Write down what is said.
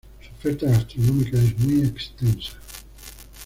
Su oferta gastronómica es muy extensa.